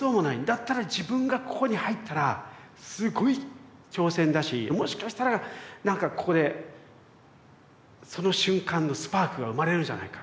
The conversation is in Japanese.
だったら自分がここに入ったらすごい挑戦だしもしかしたらなんかここでその瞬間のスパークが生まれるんじゃないか？